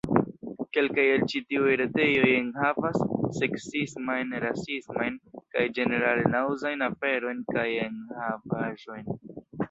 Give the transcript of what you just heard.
Kelkaj el ĉi tiuj retejoj enhavas... seksismajn, rasismajn... kaj ĝenerale naŭzajn aferojn kaj enhavaĵojn.